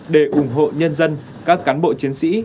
để ủng hộ nhân dân các cán bộ chiến sĩ